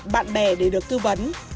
bạn bè để được tư vấn